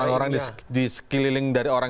orang orang di sekeliling dari orang